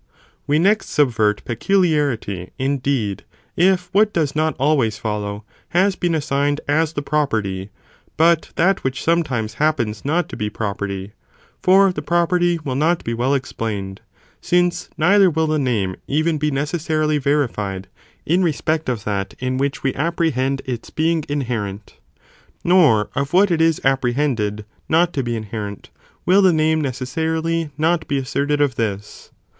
We next subvert peculiarity, indeed, if what 5, Atso whether does not always follow, has been assigned ag thatisassigned, the property, but that which sometimes hap always joined pens not to be property, for the property will not ' the 'xs. be well explained: since neither will the name even be necessarily: verified, in respect of that in which we apprehend its being inherent, nor of what it is apprehended not to be inherent, will the name necessarily not be as ¢ πρηρο the aerted of this.